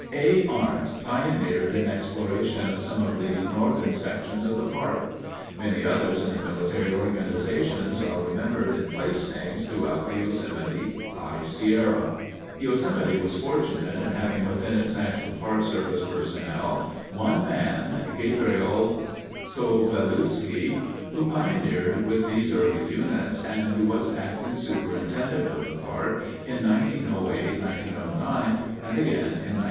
A. Arndt pioneered in exploration of some of the northern sections of the park. Many others in the military organizations are remembered in place names throughout the Yosemite High Sierra. Yosemite was fortunate in having within its National Park Service personnel one man, Gabriel Sovulewski, who pioneered with these army units and who was acting superintendent of the park in 1908 1909 and again in 1914.